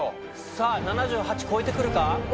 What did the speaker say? さぁ７８超えてくるか？